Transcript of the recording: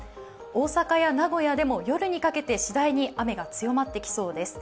大阪や名古屋でも夜にかけてしだいに雨が強まってきそうです。